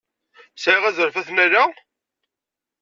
Sɛiɣ azref ad t-nnaleɣ?